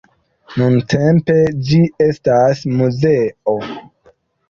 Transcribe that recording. Nuntempe ĝi estas muzeo.